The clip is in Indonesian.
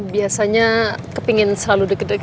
biasanya kepengen selalu deg deg